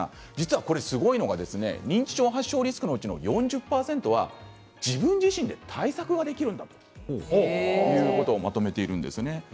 これ、すごいのは認知症発症リスクの４０％が自分自身で対策ができるんだということをまとめているんですね。